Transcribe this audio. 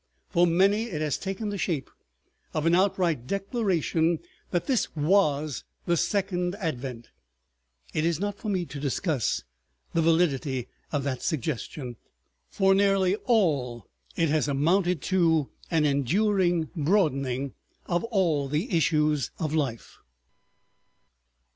For many it has taken the shape of an outright declaration that this was the Second Advent—it is not for me to discuss the validity of that suggestion, for nearly all it has amounted to an enduring broadening of all the issues of life.